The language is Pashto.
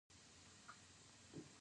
د افرادو له استعدادونو سره بلدیت.